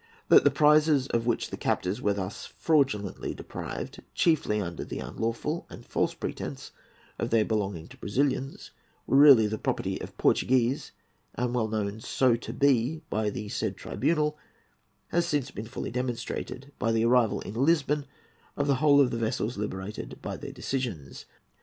That the prizes of which the captors were thus fraudulently deprived, chiefly under the unlawful and false pretence of their belonging to Brazilians, were really the property of Portuguese and well known so to be by the said tribunal, has since been fully demonstrated, by the arrival in Lisbon of the whole of the vessels liberated by their decisions.